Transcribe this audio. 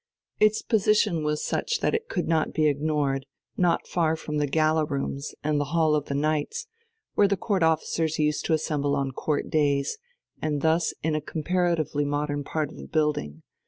Its position was such that it could not be ignored, not far from the "Gala Rooms," and the "Hall of the Knights," where the Court officers used to assemble on Court days, and thus in a comparatively modern part of the building.